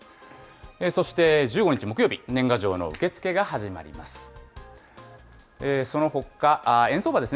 そして、１５日木曜日、年賀状の受け付けが始まります。